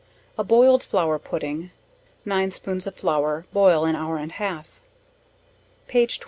A boiled flour pudding; 9 spoons of flour, boil an hour and half. Page 27.